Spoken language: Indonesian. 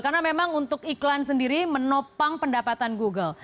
karena memang untuk iklan sendiri menopang pendapatan google